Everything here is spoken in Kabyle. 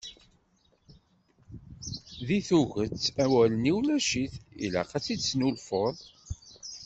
Deg tuget, amawal-nni ulac-it, ilaq ad t-id-tesnulfuḍ.